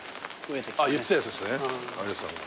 言ってたやつですね有吉さんが。